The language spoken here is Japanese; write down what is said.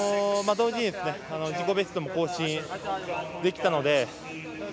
同時に自己ベストも更新できたので。